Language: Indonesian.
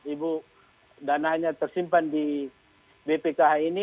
ibu dananya tersimpan di bpkh ini